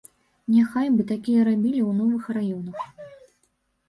Няхай бы такія рабілі ў новых раёнах.